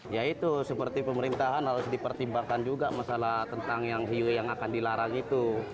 ya itu seperti pemerintahan harus dipertimbangkan juga masalah tentang yang hiu yang akan dilarang itu